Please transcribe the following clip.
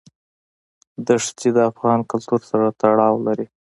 دښتې د افغان کلتور سره تړاو لري.